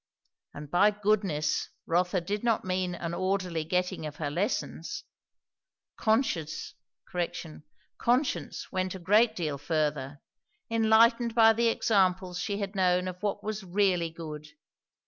And by "goodness" Rotha did not mean an orderly getting of her lessons. Conscience went a great deal further, enlightened by the examples she had known of what was really good.